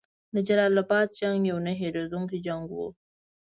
د جلال اباد جنګ یو نه هیریدونکی جنګ وو.